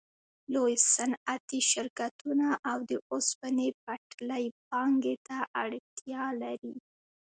لوی صنعتي شرکتونه او د اوسپنې پټلۍ پانګې ته اړتیا لري